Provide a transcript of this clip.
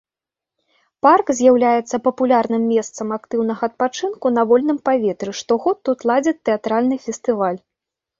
Парк з'яўляецца папулярным месцам актыўнага адпачынку на вольным паветры, штогод тут ладзяць тэатральны фестываль.